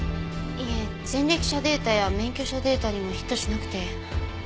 いえ前歴者データや免許証データにもヒットしなくて。